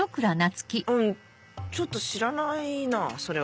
うんちょっと知らないなそれは。